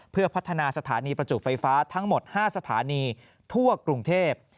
เพื่อพัฒนาสถานีประจุไฟฟ้าทั้งหมด๕สถานีทั่วกรุงเทพ